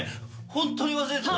本当に忘れてた。